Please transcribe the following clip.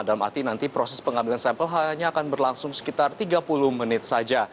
dalam arti nanti proses pengambilan sampel hanya akan berlangsung sekitar tiga puluh menit saja